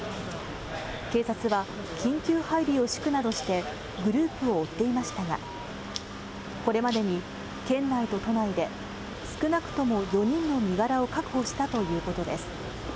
警察は緊急配備を敷くなどして、グループを追っていましたが、これまでに県内と都内で少なくとも４人の身柄を確保したということです。